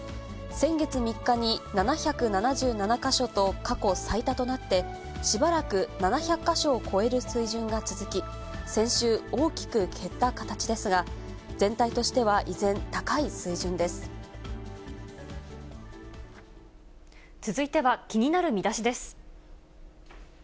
先月３日に７７７か所と過去最多となって、しばらく７００か所を超える水準が続き、先週、大きく減った形ですが、全体としては依然、続いては気になるミダシです。